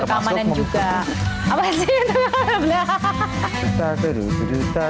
untuk keamanan juga